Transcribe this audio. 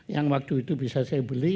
yang waktu itu bisa saya beli